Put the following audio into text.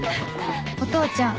お父ちゃん